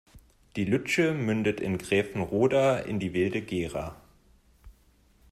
Die Lütsche mündet in Gräfenroda in die Wilde Gera.